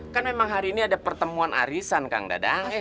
kan memang hari ini ada pertemuan arisan kang dadang